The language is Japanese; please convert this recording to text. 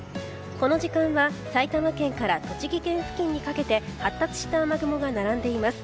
この時間は埼玉県から栃木県付近にかけて発達した雨雲が並んでいます。